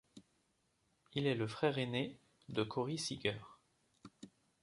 Il est le frère aîné de Corey Seager.